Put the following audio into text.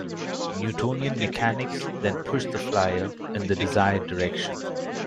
Newtonian mechanics then push the flyer in the desired direction.